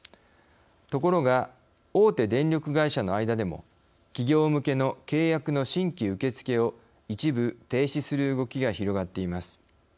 ところが大手電力会社の間でも企業向けの契約の新規受け付けを一部停止する動きが広がっています。